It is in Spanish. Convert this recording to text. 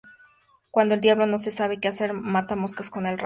Cuando el diablo no sabe qué hacer, mata moscas con el rabo